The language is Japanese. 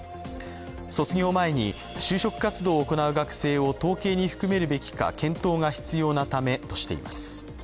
卒業前に就職活動を行う学生を統計に含めるか検討が必要なためとしています。